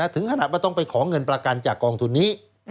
ถึงขนาดว่าต้องไปขอเงินประกันจากกองทุนนี้